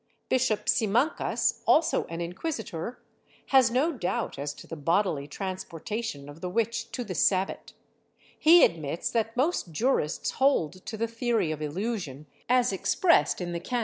^ Bishop Simancas, also an inquisitor, has no doubt as to the bodily trans portation of the witch to the Sabbat; he admits that most jurists hold to the theory of illusion, as expressed in the can.